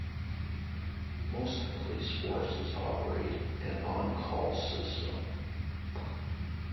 Most police forces operate an "on call" system.